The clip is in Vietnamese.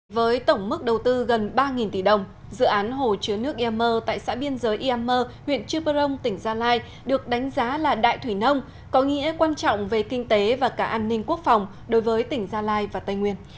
với tổng mức đầu tư gần ba tỷ đồng dự án hồ chứa nước iammer tại xã biên giới iammer huyện chư prong tỉnh gia lai được đánh giá là đại thủy nông có nghĩa quan trọng về kinh tế và cả an ninh quốc phòng đối với tỉnh gia lai và tây nguyên